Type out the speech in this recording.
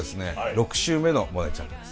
６週目のモネちゃんです。